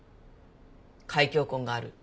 開胸痕がある。